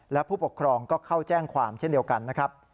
และผู้ปกครองก็เข้าแจ้งความเช่นเดียวกันนะครับ